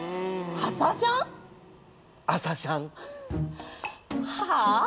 朝シャン。はあ？